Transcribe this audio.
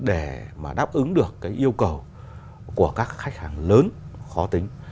để đáp ứng được yêu cầu của các khách hàng lớn khó tính